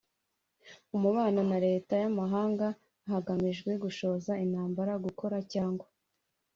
umubano na leta y’amahanga hagamijwe gushoza intambara, gukora cyangwa